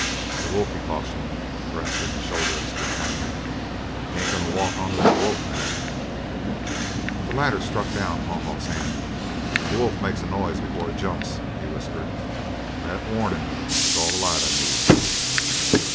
"The wolf!" he cautioned, grasping the shoulder of his companion. "You ain't goin' to walk onto that wolf, Mac?" The latter struck down Haw Haw's hand. "A wolf makes a noise before it jumps," he whispered, "and that warnin' is all the light I need."